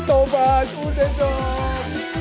tau banget udah dong